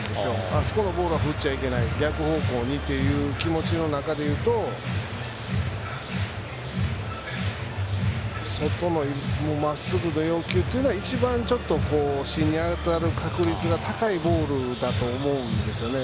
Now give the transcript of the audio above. あそこのボールは振っちゃいけない逆方向にという気持ちの中でいうと外のまっすぐの要求は一番、芯に当たる確率が高いボールだと思うんですよね。